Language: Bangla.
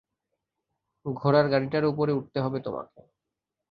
ঘোড়ার গাড়িটার উপরে উঠতে হবে তোমাকে!